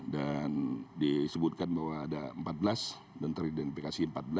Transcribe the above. dan disebutkan bahwa ada empat belas dan teridentifikasi empat belas